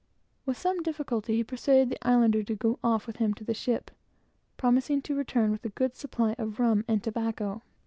With some difficulty, he persuaded the islander to go off with him to the ship, promising to return with a good supply of rum and tobacco.